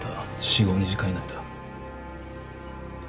死後２時間以内だ。